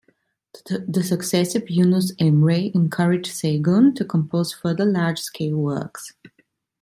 The success of "Yunus Emre" encouraged Saygun to compose further large-scale works.